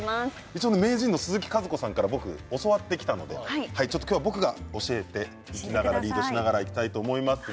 名人の鈴木和子さんから教わってきたので今日は僕が教えながらリードしながらいきたいと思います。